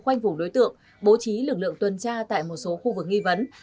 khoanh vùng đối tượng bố trí lực lượng tuần tra tại một số khu vực nghi vấn